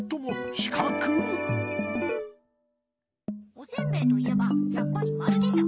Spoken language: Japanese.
おせんべいといえばやっぱりまるでしょ。